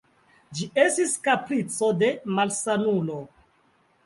Ĝi estis kaprico de malsanulo.